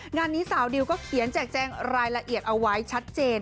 งานนี้สาวดิวก็เขียนแจกแจงรายละเอียดเอาไว้ชัดเจน